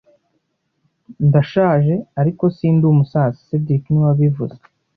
Ndashaje, ariko sindi umusaza cedric niwe wabivuze